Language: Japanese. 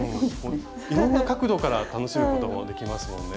いろんな角度から楽しむこともできますもんね。